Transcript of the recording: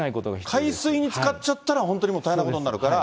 海水につかっちゃったら、本当にもう大変なことになるから。